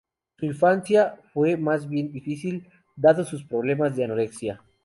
Su infancia fue más bien difícil, dados sus problemas de anorexia.